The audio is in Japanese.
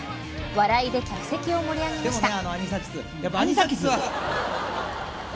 笑いで客席を盛り上げました。